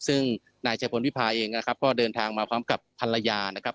ซึ่งนายชัยพลวิพาเองนะครับก็เดินทางมาพร้อมกับภรรยานะครับ